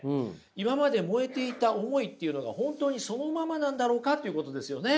今まで燃えていた思いっていうのが本当にそのままなんだろうかということですよね。